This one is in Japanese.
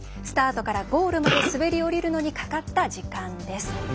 スタートからゴールまで滑り降りるのにかかった時間です。